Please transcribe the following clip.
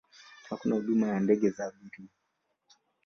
Hakuna huduma ya ndege za abiria.